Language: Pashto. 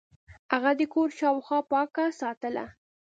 هغه د کور شاوخوا پاکه ساتله.